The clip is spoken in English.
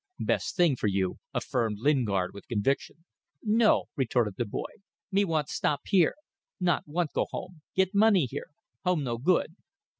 "Best thing for you," affirmed Lingard with conviction. "No," retorted the boy; "me want stop here; not want go home. Get money here; home no good."